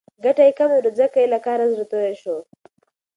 ګټه کمه وه نو ځکه یې له کاره زړه توری شو.